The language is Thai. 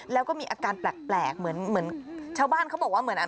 แล้วก็มีอาการแปลกเหมือนเหมือนชาวบ้านเขาบอกว่าเหมือนอ่ะ